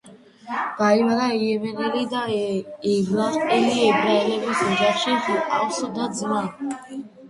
დაიბადა იემენელი და ერაყელი ებრაელების ოჯახში, ჰყავს და-ძმა.